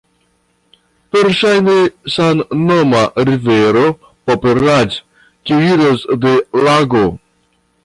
Verŝajne samnoma rivero Poprad kiu iras de lago.